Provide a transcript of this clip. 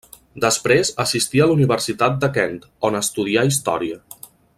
Després assistí a la Universitat de Kent, on estudià història.